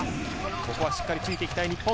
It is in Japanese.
ここはしっかりとついて行きたい、日本。